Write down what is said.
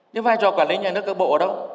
nhưng vai trò quản lý nhà nước các bộ ở đâu